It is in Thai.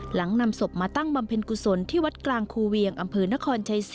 หลังนำศพมาตั้งบำเพ็ญกุศลที่วัดกลางคูเวียงอำเภอนครชัย๔